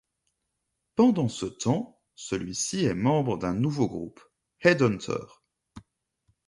Pendant ce temps, celui-ci est membre d'un nouveau groupe, Headhunter.